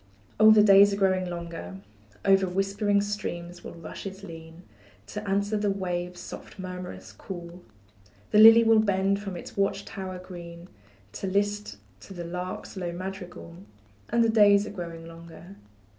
Oh, the days are growing longer; Over whispering streams will rushes lean, To answer the waves' soft murmurous call; The lily will bend from its watch tower green, To list to the lark's low madrigal, And the days are growing longer.